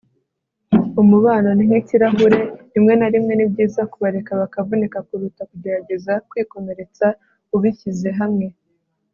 umubano ni nk'ikirahure. rimwe na rimwe, ni byiza kubareka bakavunika kuruta kugerageza kwikomeretsa ubishyize hamwe